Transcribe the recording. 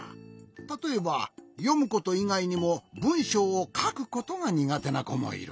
たとえばよむこといがいにもぶんしょうをかくことがにがてなこもいる。